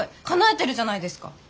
かなえてるじゃないですか。